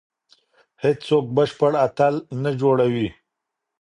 هیڅوک بشپړ اتل نه جوړوي.